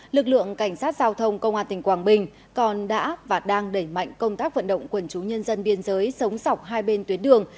lực lượng cảnh sát giao thông công an tỉnh quảng bình còn đã và đang đẩy mạnh công tác vận động quần chú nhân dân biên giới sống sọc hai bên tuyến đường